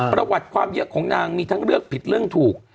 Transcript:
ประวัติความเยอะของนางมีทั้งเลือกผิดเรื่องถูก